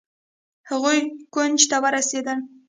هغوئ کونج ته ورسېدل.